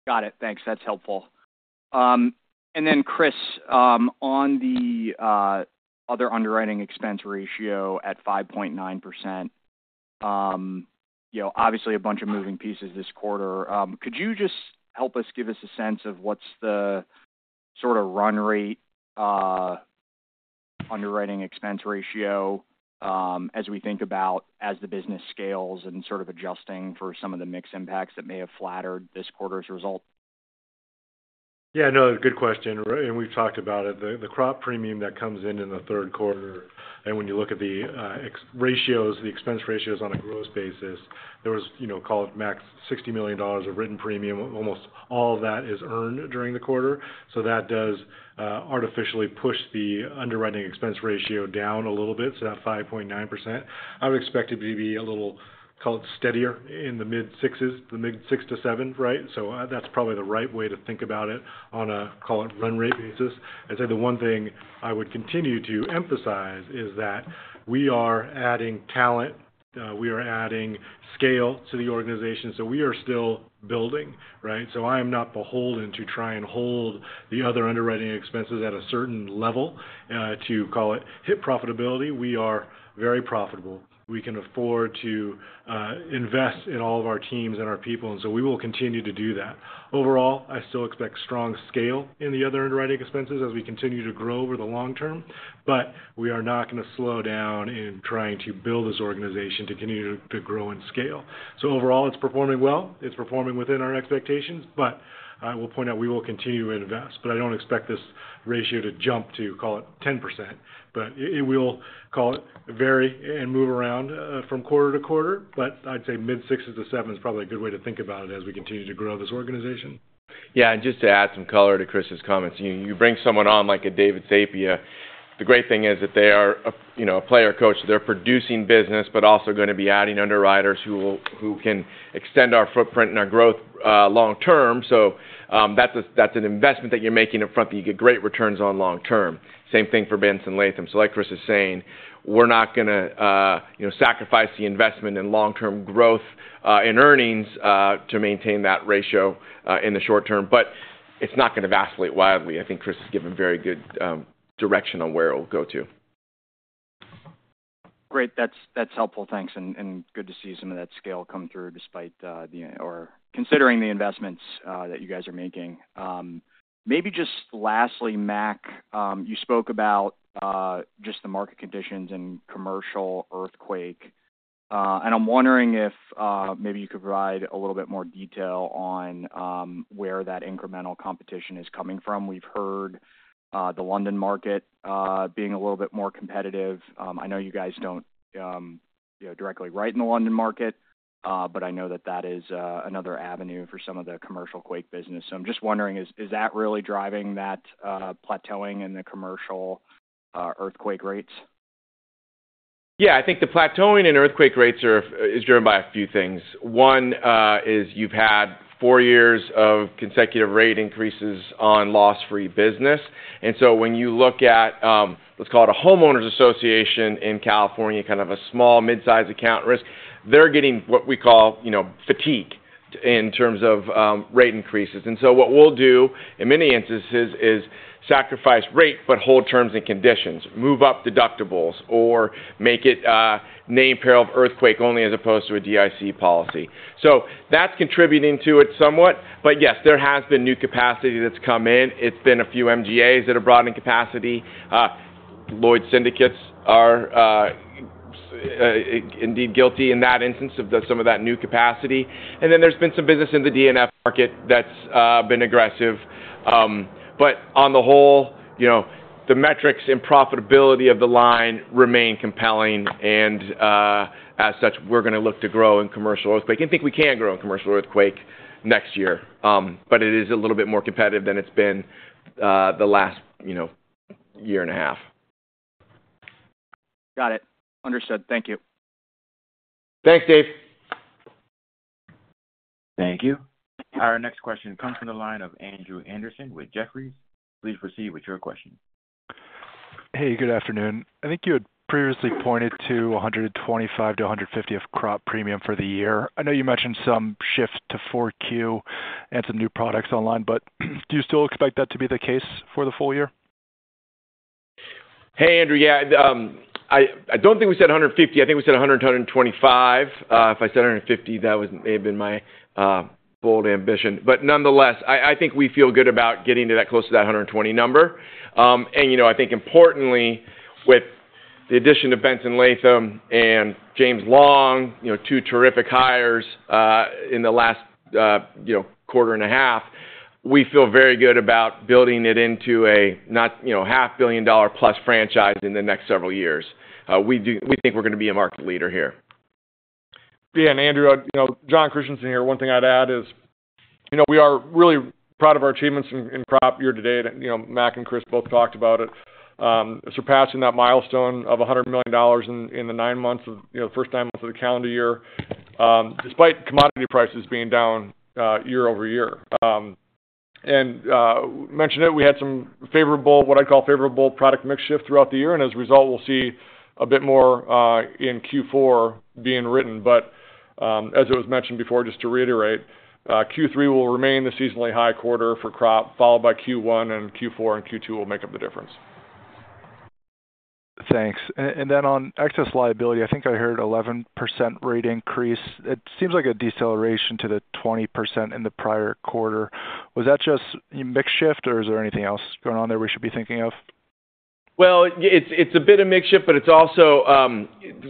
Got it. Thanks. That's helpful. And then, Chris, on the other underwriting expense ratio at 5.9%, obviously a bunch of moving pieces this quarter. Could you just help us give us a sense of what's the sort of run rate underwriting expense ratio as we think about as the business scales and sort of adjusting for some of the mixed impacts that may have flattered this quarter's result? Yeah, no, good question. And we've talked about it. The crop premium that comes in in the Q3, and when you look at the ratios, the expense ratios on a gross basis, there was, call it max $60 million of written premium. Almost all of that is earned during the quarter. So that does artificially push the underwriting expense ratio down a little bit, so that 5.9%. I would expect it to be a little, call it steadier in the mid-6%s, the mid-6% to 7%, right? So that's probably the right way to think about it on a, call it run rate basis. I'd say the one thing I would continue to emphasize is that we are adding talent. We are adding scale to the organization. So we are still building, right? So I am not beholden to try and hold the other underwriting expenses at a certain level to, call it hit profitability. We are very profitable. We can afford to invest in all of our teams and our people, and so we will continue to do that. Overall, I still expect strong scale in the other underwriting expenses as we continue to grow over the long term, but we are not going to slow down in trying to build this organization to continue to grow and scale, so overall, it's performing well. It's performing within our expectations, but I will point out we will continue to invest. But I don't expect this ratio to jump to, call it 10%. But it will, call it, vary and move around from quarter to quarter. But I'd say mid-six to seven is probably a good way to think about it as we continue to grow this organization. Yeah, and just to add some color to Chris's comments, you bring someone on like a David Sapia. The great thing is that they are a player coach. They're producing business, but also going to be adding underwriters who can extend our footprint and our growth long term. So that's an investment that you're making upfront that you get great returns on long term. Same thing for Benson Latham. So like Chris is saying, we're not going to sacrifice the investment in long-term growth and earnings to maintain that ratio in the short term. But it's not going to vacillate widely. I think Chris has given very good direction on where it will go to. Great. That's helpful. Thanks. And good to see some of that scale come through despite or considering the investments that you guys are making. Maybe just lastly, Mac, you spoke about just the market conditions and commercial earthquake. And I'm wondering if maybe you could provide a little bit more detail on where that incremental competition is coming from. We've heard the London market being a little bit more competitive. I know you guys don't directly write in the London market, but I know that that is another avenue for some of the commercial quake business. So I'm just wondering, is that really driving that plateauing in the commercial earthquake rates? Yeah, I think the plateauing in earthquake rates is driven by a few things. One is you've had four years of consecutive rate increases on loss-free business. And so when you look at, let's call it a homeowners association in California, kind of a small, mid-sized account risk, they're getting what we call fatigue in terms of rate increases. And so what we'll do in many instances is sacrifice rate but hold terms and conditions, move up deductibles, or make it named peril of earthquake only as opposed to a DIC policy. So that's contributing to it somewhat. But yes, there has been new capacity that's come in. It's been a few MGAs that are broadening capacity. Lloyd's Syndicates are indeed guilty in that instance of some of that new capacity. And then there's been some business in the E&S market that's been aggressive. But on the whole, the metrics and profitability of the line remain compelling. And as such, we're going to look to grow in commercial earthquake. I think we can grow in commercial earthquake next year, but it is a little bit more competitive than it's been the last year and a half. Got it. Understood. Thank you. Thanks, Dave. Thank you. Our next question comes from the line of Andrew Andersen with Jefferies. Please proceed with your question. Hey, good afternoon. I think you had previously pointed to 125-150 of crop premium for the year. I know you mentioned some shift to 4Q and some new products online, but do you still expect that to be the case for the full year? Hey, Andrew. Yeah, I don't think we said 150. I think we said 100-125. If I said 150, that may have been my bold ambition. But nonetheless, I think we feel good about getting that close to that 120 number. I think importantly, with the addition of Benson Latham and James Long, two terrific hires in the last quarter and a half, we feel very good about building it into a $500 million plus franchise in the next several years. We think we're going to be a market leader here. Yeah, and Andrew, Jon Christianson here. One thing I'd add is we are really proud of our achievements in crop year to date. Mac and Chris both talked about it, surpassing that milestone of $100 million in the nine months, the first nine months of the calendar year, despite commodity prices being down year-over-year. And mentioned it, we had some favorable, what I'd call favorable product mix shift throughout the year. And as a result, we'll see a bit more in Q4 being written. As it was mentioned before, just to reiterate, Q3 will remain the seasonally high quarter for crop, followed by Q1 and Q4 and Q2 will make up the difference. Thanks. Then on excess liability, I think I heard 11% rate increase. It seems like a deceleration to the 20% in the prior quarter. Was that just mixed shift, or is there anything else going on there we should be thinking of? It's a bit of mixed shift, but it's also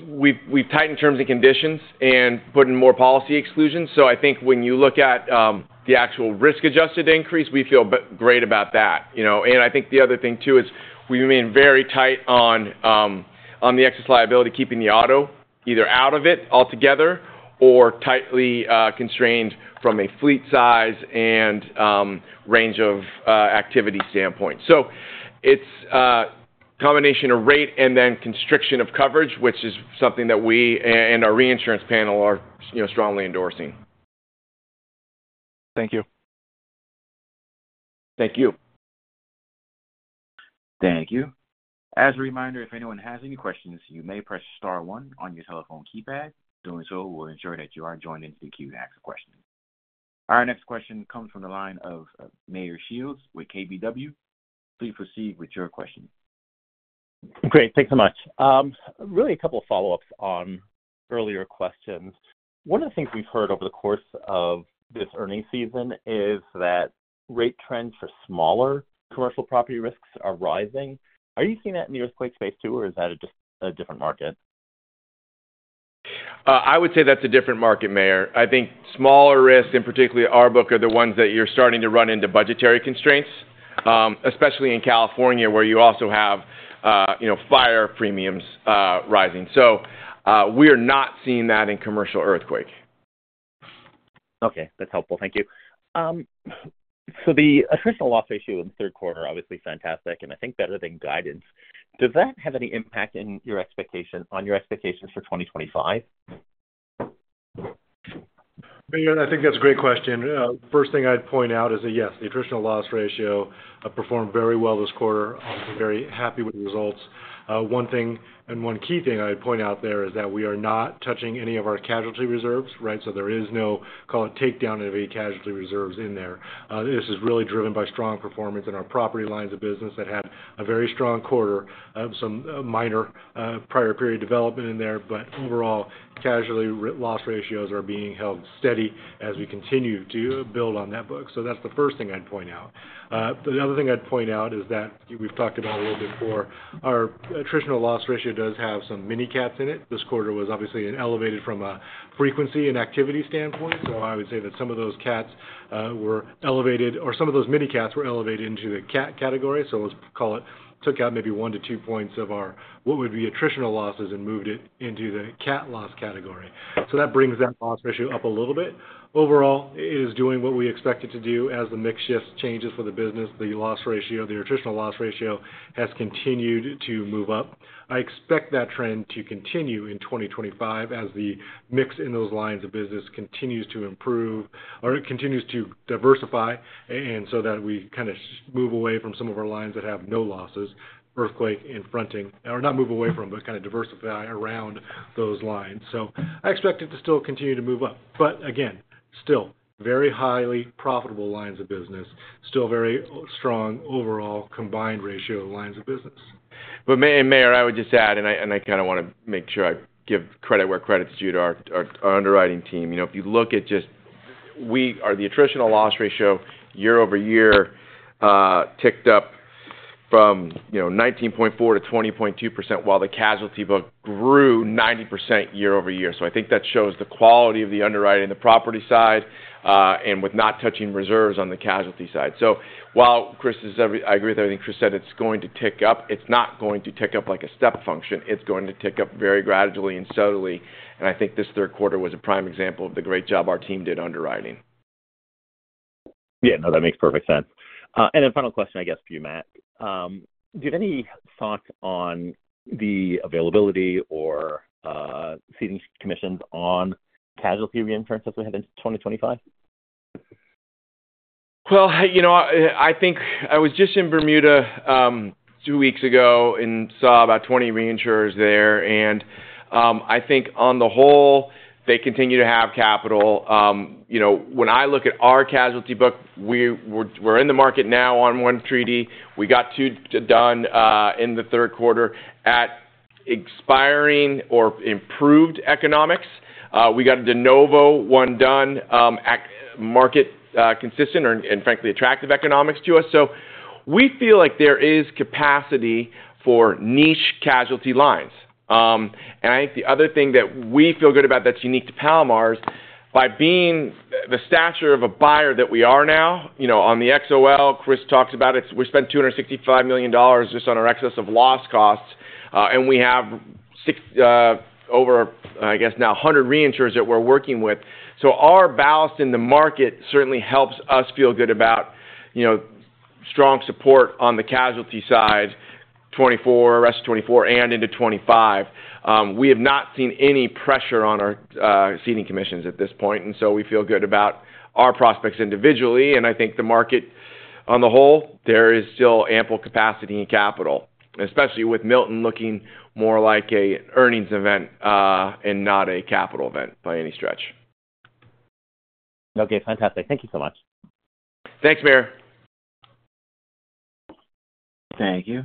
we've tightened terms and conditions and put in more policy exclusions. So I think when you look at the actual risk-adjusted increase, we feel great about that. And I think the other thing too is we remain very tight on the excess liability, keeping the auto either out of it altogether or tightly constrained from a fleet size and range of activity standpoint. So it's a combination of rate and then constriction of coverage, which is something that we and our reinsurance panel are strongly endorsing. Thank you. Thankl you. As a reminder, if anyone has any questions, you may press star one on your telephone keypad. Doing so will ensure that you are joined into the queue to ask a question. Our next question comes from the line of Meyer Shields with KBW. Please proceed with your question. Great. Thanks so much. Really a couple of follow-ups on earlier questions. One of the things we've heard over the course of this earnings season is that rate trends for smaller commercial property risks are rising. Are you seeing that in the earthquake space too, or is that just a different market? I would say that's a different market, Meyer. I think smaller risks, and particularly earthquake, are the ones that you're starting to run into budgetary constraints, especially in California where you also have fire premiums rising. So we are not seeing that in commercial earthquake. Okay. That's helpful. Thank you. So the attritional loss ratio in the Q3, obviously fantastic, and I think better than guidance. Does that have any impact on your expectations for 2025? I think that's a great question. First thing I'd point out is that, yes, the attritional loss ratio performed very well this quarter. I'm very happy with the results. One thing and one key thing I'd point out there is that we are not touching any of our casualty reserves, right? So there is no, call it takedown of any casualty reserves in there. This is really driven by strong performance in our property lines of business that had a very strong quarter, some minor prior period development in there. But overall, casualty loss ratios are being held steady as we continue to build on that book. So that's the first thing I'd point out. The other thing I'd point out is that we've talked about a little bit before. Our attritional loss ratio does have some mini cats in it. This quarter was obviously elevated from a frequency and activity standpoint. So I would say that some of those cats were elevated, or some of those mini cats were elevated into the cat category. So let's call it took out maybe one to two points of our what would be attritional losses and moved it into the cat loss category. So that brings that loss ratio up a little bit. Overall, it is doing what we expect it to do as the mix shifts changes for the business. The loss ratio, the attritional loss ratio has continued to move up. I expect that trend to continue in 2025 as the mix in those lines of business continues to improve or continues to diversify and so that we kind of move away from some of our lines that have no losses, earthquake and fronting, or not move away from, but kind of diversify around those lines. So I expect it to still continue to move up. But again, still very highly profitable lines of business, still very strong overall combined ratio of lines of business. But Meyer, I would just add, and I kind of want to make sure I give credit where credit's due to our underwriting team. If you look at just the attritional loss ratio year-over-year ticked up from 19.4%-20.2%, while the casualty book grew 90% year-over-year. So I think that shows the quality of the underwriting, the property side, and with not touching reserves on the casualty side. So while Chris is, I agree with everything Chris said, it's going to tick up. It's not going to tick up like a step function. It's going to tick up very gradually and subtly. And I think this Q3 was a prime example of the great job our team did underwriting. Yeah. No, that makes perfect sense. And then final question, I guess, for you, Mac. Do you have any thoughts on the availability or ceding commissions on casualty reinsurance that we had in 2025? I think I was just in Bermuda two weeks ago and saw about 20 reinsurers there. I think on the whole, they continue to have capital. When I look at our casualty book, we're in the market now on one treaty. We got two done in the Q3 at expiring or improved economics. We got a de novo one done at market consistent and frankly attractive economics to us. We feel like there is capacity for niche casualty lines. I think the other thing that we feel good about that's unique to Palomar's, by being the stature of a buyer that we are now on the XOL. Chris talks about it. We spent $265 million just on our excess of loss costs. We have over, I guess now, 100 reinsurers that we're working with. So our ballast in the market certainly helps us feel good about strong support on the casualty side, rest of 2024 and into 2025. We have not seen any pressure on our ceding commissions at this point. And so we feel good about our prospects individually. And I think the market on the whole, there is still ample capacity and capital, especially with Milton looking more like an earnings event and not a capital event by any stretch. Okay. Fantastic. Thank you so much. Thanks, Meyer. Thank you.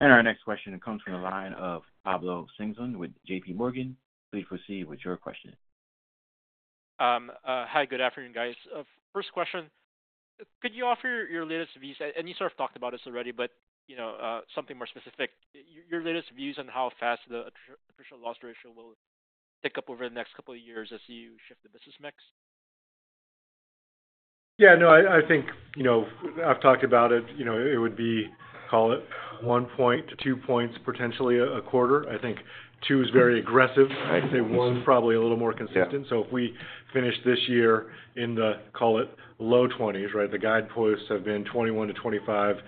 And our next question comes from the line of Pablo Singzon with J.P. Morgan. Please proceed with your question. Hi, good afternoon, guys. First question, could you offer your latest views? You sort of talked about this already, but something more specific, your latest views on how fast the attritional loss ratio will tick up over the next couple of years as you shift the business mix? Yeah. No, I think I've talked about it. It would be, call it, one point to two points, potentially a quarter. I think two is very aggressive. I'd say one is probably a little more consistent. So if we finish this year in the, call it, low 20s, right? The guideposts have been 21%-25%.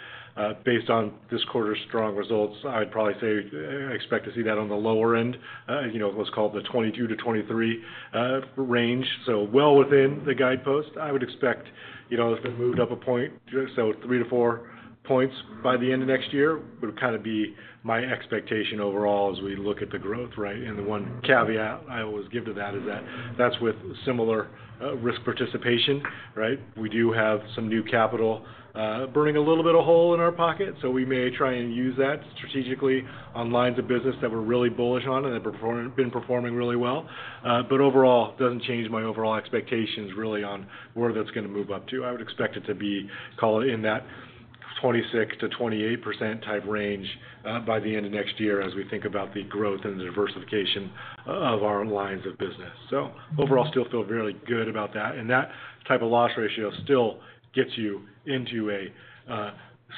Based on this quarter's strong results, I'd probably say I expect to see that on the lower end, let's call it the 22%-23% range. So well within the guidepost. I would expect if it moved up a point, so three to four points by the end of next year would kind of be my expectation overall as we look at the growth, right? And the one caveat I always give to that is that that's with similar risk participation, right? We do have some new capital burning a little bit of a hole in our pocket. So we may try and use that strategically on lines of business that we're really bullish on and that have been performing really well. But overall, it doesn't change my overall expectations really on where that's going to move up to. I would expect it to be, call it, in that 26%-28% type range by the end of next year as we think about the growth and the diversification of our lines of business. So overall, still feel very good about that. And that type of loss ratio still gets you into a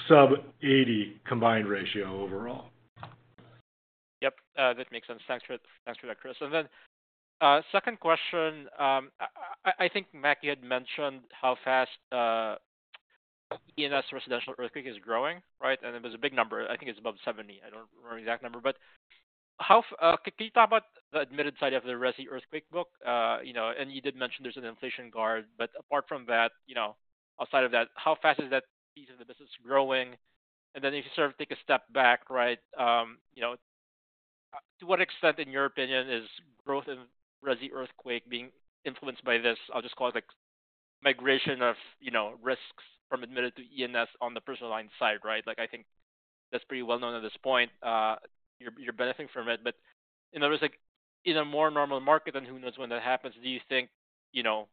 sub-80 combined ratio overall. Yep. That makes sense. Thanks for that, Chris. And then second question, I think Mac, you had mentioned how fast ENS residential earthquake is growing, right? And it was a big number. I think it's above 70. I don't remember the exact number, but can you talk about the admitted side of the Resi earthquake book? And you did mention there's an inflation guard, but apart from that, outside of that, how fast is that piece of the business growing? And then if you sort of take a step back, right, to what extent, in your opinion, is growth in Resi earthquake being influenced by this, I'll just call it migration of risks from admitted to ENS on the personal line side, right? I think that's pretty well known at this point. You're benefiting from it. But in a more normal market, and who knows when that happens, do you think your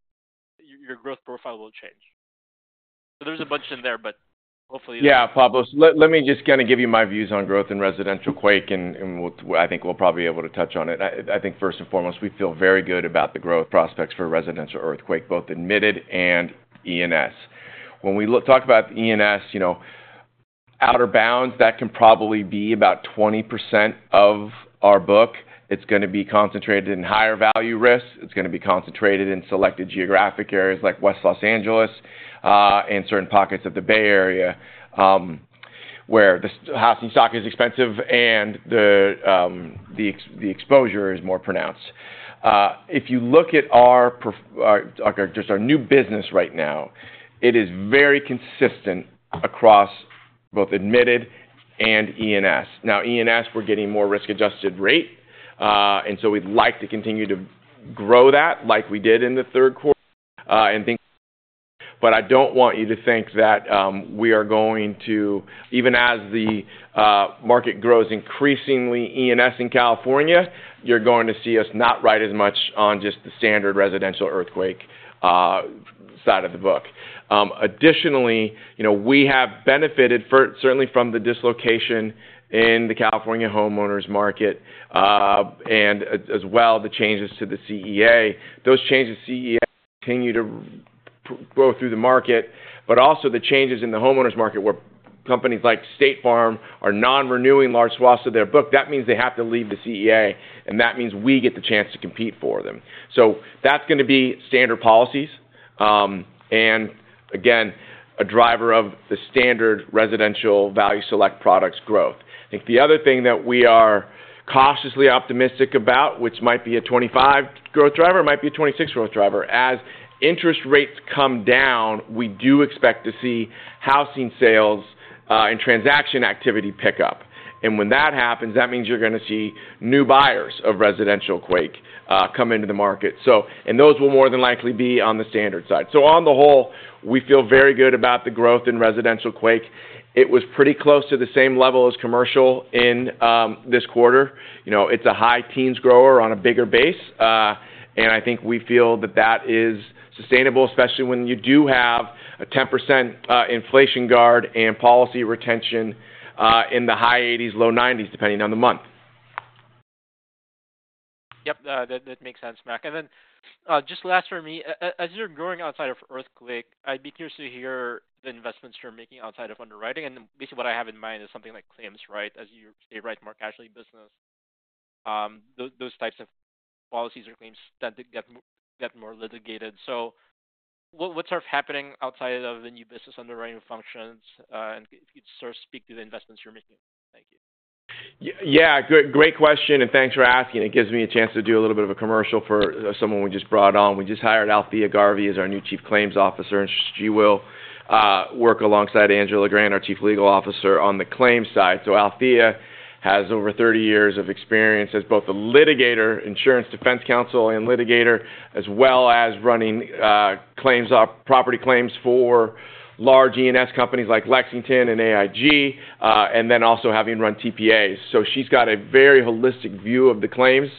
growth profile will change? There's a bunch in there, but hopefully. Yeah, Pablo. Let me just kind of give you my views on growth in residential quake, and I think we'll probably be able to touch on it. I think first and foremost, we feel very good about the growth prospects for residential earthquake, both admitted and E&S. When we talk about E&S outer bounds, that can probably be about 20% of our book. It's going to be concentrated in higher value risks. It's going to be concentrated in selected geographic areas like West Los Angeles and certain pockets of the Bay Area where the housing stock is expensive and the exposure is more pronounced. If you look at our new business right now, it is very consistent across both admitted and E&S. Now, E&S, we're getting more risk-adjusted rate. And so we'd like to continue to grow that like we did in the Q3. But I don't want you to think that we are going to, even as the market grows increasingly, E&S in California, you're going to see us not write as much on just the standard residential earthquake side of the book. Additionally, we have benefited certainly from the dislocation in the California homeowners market and as well the changes to the CEA. Those changes to CEA continue to grow through the market, but also the changes in the homeowners market where companies like State Farm are non-renewing large swaths of their book. That means they have to leave the CEA, and that means we get the chance to compete for them. So that's going to be standard policies and, again, a driver of the standard residential value select products growth. I think the other thing that we are cautiously optimistic about, which might be a 2025 growth driver, might be a 2026 growth driver, as interest rates come down, we do expect to see housing sales and transaction activity pick up. And when that happens, that means you're going to see new buyers of residential quake come into the market. And those will more than likely be on the standard side. So on the whole, we feel very good about the growth in residential quake. It was pretty close to the same level as commercial in this quarter. It's a high teens grower on a bigger base. I think we feel that that is sustainable, especially when you do have a 10% inflation guard and policy retention in the high 80s%, low 90s%, depending on the month. Yep. That makes sense, Mac. And then just last for me, as you're growing outside of earthquake, I'd be curious to hear the investments you're making outside of underwriting. And basically what I have in mind is something like claims, right? As you say, right, more casualty business, those types of policies or claims tend to get more litigated. So what's sort of happening outside of the new business underwriting functions? And if you'd sort of speak to the investments you're making. Thank you. Yeah. Great question. And thanks for asking. It gives me a chance to do a little bit of a commercial for someone we just brought on. We just hired Althea Garvey as our new Chief Claims Officer. And she will work alongside Angela Grant, our Chief Legal Officer, on the claims side. So Althea has over 30 years of experience as both a litigator, insurance defense counsel and litigator, as well as running property claims for large E&S companies like Lexington and AIG, and then also having run TPAs. So she's got a very holistic view of the claims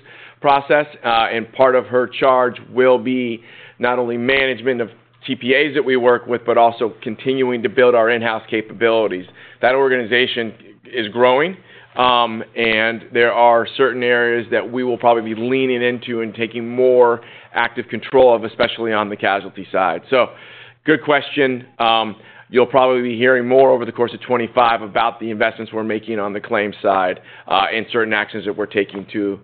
process. And part of her charge will be not only management of TPAs that we work with, but also continuing to build our in-house capabilities. That organization is growing, and there are certain areas that we will probably be leaning into and taking more active control of, especially on the casualty side. So good question. You'll probably be hearing more over the course of 2025 about the investments we're making on the claims side and certain actions that we're taking to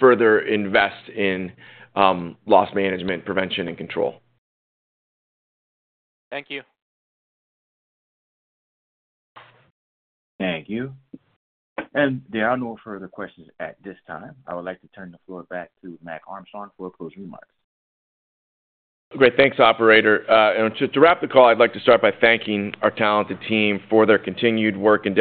further invest in loss management, prevention, and control. Thank you. Thank you, and there are no further questions at this time. I would like to turn the floor back to Mac Armstrong for a closing remarks. Great. Thanks, operator, and to wrap the call, I'd like to start by thanking our talented team for their continued work in.